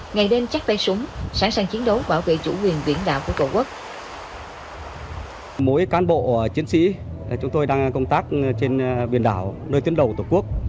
ngày đêm chắc tay súng sẵn sàng chiến đấu bảo vệ chủ quyền biển đảo của tổ quốc